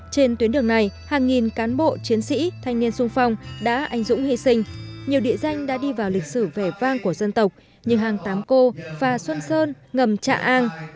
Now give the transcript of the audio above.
trên tuyến đường này hàng nghìn cán bộ chiến sĩ thanh niên sung phong đã anh dũng hy sinh nhiều địa danh đã đi vào lịch sử vẻ vang của dân tộc như hang tám cô và xuân sơn ngầm trà an